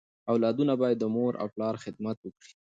اولادونه بايد د مور او پلار خدمت وکړي.